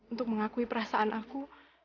untuk mengakui perasaanku